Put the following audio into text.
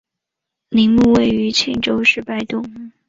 陵墓位于庆州市拜洞。